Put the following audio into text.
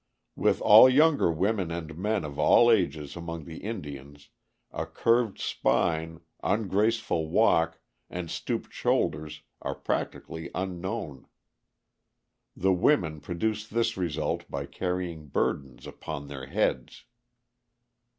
With all younger women and men of all ages among the Indians a curved spine, ungraceful walk, and stooped shoulders are practically unknown. The women produce this result by carrying burdens upon their heads.